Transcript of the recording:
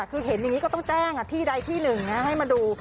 คือเห็นอย่างนี้ก็ต้องแจ้งที่ใดที่หนึ่งนะให้มาดู